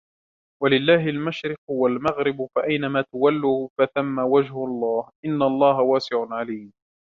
ولله المشرق والمغرب فأينما تولوا فثم وجه الله إن الله واسع عليم